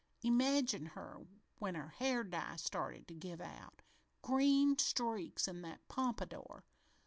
Imagine her when her hair dye started to give out green streaks in that pompadour!